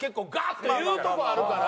っと言うとこあるから。